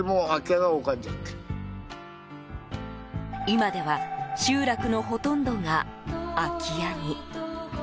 今では集落のほとんどが空き家に。